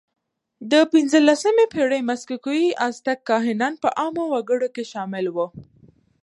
د پینځلسمې پېړۍ مکسیکويي آزتک کاهنان په عامو وګړو کې شامل وو.